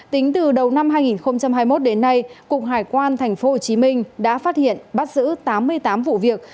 tính từ đầu năm hai nghìn hai mươi một đến nay cục hải quan tp hcm đã phát hiện bắt giữ tám mươi tám vụ việc